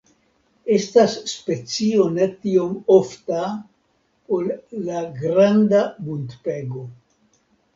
Estas specio ne tiom ofta ol la Granda buntpego.